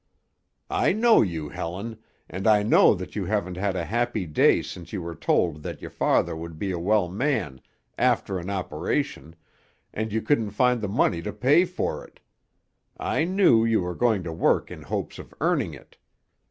"I know you, Helen, and I know that you haven't had a happy day since you were told that your father would be a well man after an operation and you couldn't find the money to pay for it. I knew you were going to work in hopes of earning it.